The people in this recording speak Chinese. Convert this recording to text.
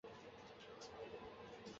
台湾由国兴卫视引进播出。